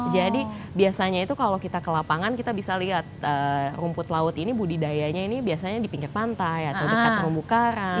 biasanya itu kalau kita ke lapangan kita bisa lihat rumput laut ini budidayanya ini biasanya di pinggir pantai atau dekat terumbu karang